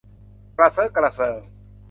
กระเซอะกระเซิง